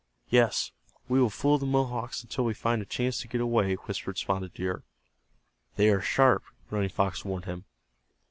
"Yes, we will fool the Mohawks until we find a chance to get away," whispered Spotted Deer. "They are sharp," Running Fox warned him.